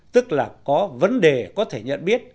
tức là có vấn đề có thể nhận biết